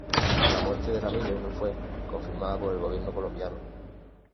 La muerte de Ramírez no fue confirmada por el gobierno colombiano.